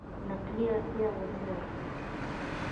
نقلي اړتیا ونه لري.